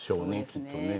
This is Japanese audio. きっとね。